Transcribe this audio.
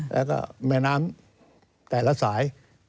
และแหม่น้ำแต่ละสาย